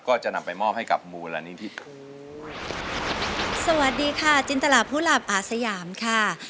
ก็จะนำไปมอบให้กับมูลนิธิสวัสดีค่ะจินตราผู้หลับอาสยามค่ะ